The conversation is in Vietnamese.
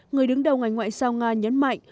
người đứng đầu ngành ngoại sao nga nhấn mạnh